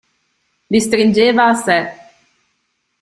Li stringeva a sé.